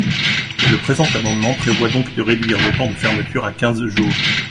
Le présent amendement prévoit donc de réduire le temps de fermeture à quinze jours.